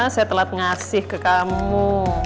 saya telat ngasih ke kamu